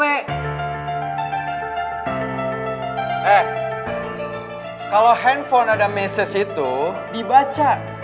eh kalau handphone ada meses itu dibaca